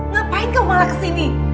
ngapain kamu malah ke sini